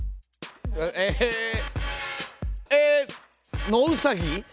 ええノウサギ？